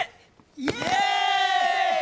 イエーイ！